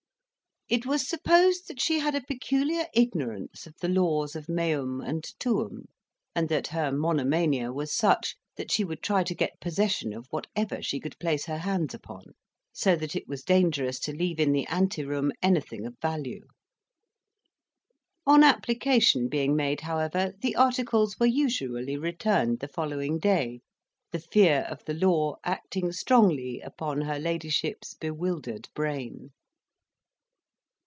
It was supposed that she had a peculiar ignorance of the laws of meum and tuum, and that her monomania was such that she would try to get possession of whatever she could place her hands upon; so that it was dangerous to leave in the ante room anything of value. On application being made, however, the articles were usually returned the following day, the fear of the law acting strongly upon her ladyship's bewildered brain.